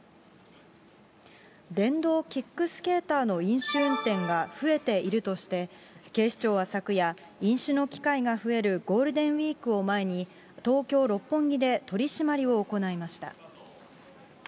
電動キックスケーターの飲酒運転が増えているとして、警視庁は昨夜、飲酒の機会が増えるゴールデンウィークを前に、東京・六本木で取締りを行いました。